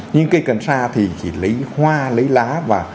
nhưng cây cần sa thì chỉ lấy hoa lấy lá và